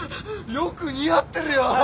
よく似合ってるよ！